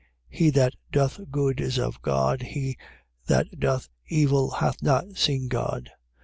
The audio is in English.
He that doth good is of God: he that doth evil hath not seen God.